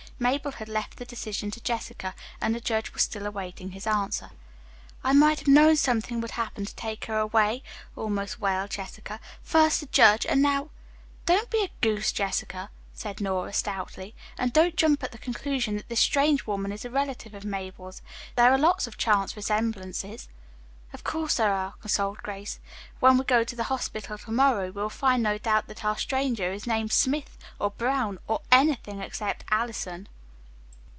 Mabel had left the decision to Jessica, and the judge was still awaiting his answer. "I might have known something would happen to take her away," almost wailed Jessica. "First, the judge, and now " "Don't be a goose, Jessica," said Nora stoutly, "and don't jump at the conclusion that this strange woman is a relative of Mabel's. There are lots of chance resemblances." "Of course there are," consoled Grace. "When we go to the hospital to morrow we'll find no doubt that our stranger is named 'Smith' or 'Brown' or anything except 'Allison.'"